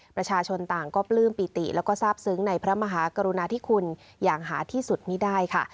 ประชาชนต่างก็ปลื้มปิติแล้วก็ทราบซึ้งในพระมหากรุณาธิคุณอย่างหาที่สุดไม่ได้ค่ะ